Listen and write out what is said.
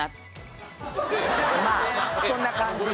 まあそんな感じで。